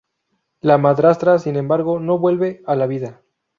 La madrastra, sin embargo, no vuelve a la vida.